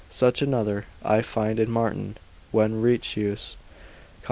Such another I find in Martin Wenrichius, com.